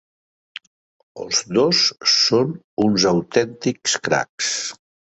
Els dos són uns autèntics cracs!